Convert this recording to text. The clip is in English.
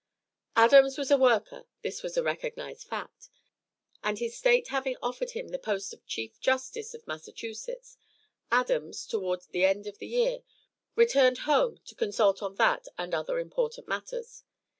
Adams was a worker; this was a recognized fact; and his State having offered him the post of Chief Justice of Massachusetts, Adams, toward the end of the year, returned home to consult on that and other important matters.